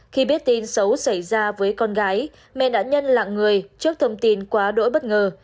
khi biết tin xấu xảy ra với con gái mẹ nạn nhân lặng người trước thông tin quá đỗi bất ngờ